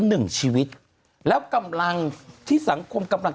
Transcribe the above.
คุณหนุ่มกัญชัยได้เล่าใหญ่ใจความไปสักส่วนใหญ่แล้ว